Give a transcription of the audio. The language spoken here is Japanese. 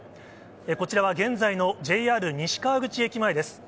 こちらは現在のＪＲ西川口駅前です。